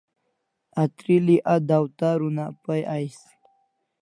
Atril'i a dawtar una pai ais